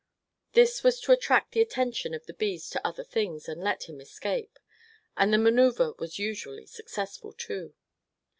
This was to attract the attention of the bees to other things, and let him escape. And the manoeuvre was usually successful, too.